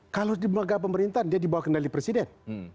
kalau di lembaga pemerintahan dia dibawa kendali presiden